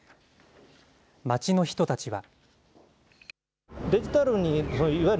街の人たちは。